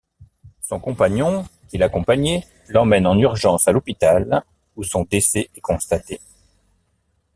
Son compagnon, qui l'accompagnait, l'emmène en urgence à l'hôpital, où son décès est constaté.